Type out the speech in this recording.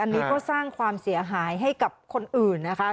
อันนี้ก็สร้างความเสียหายให้กับคนอื่นนะคะ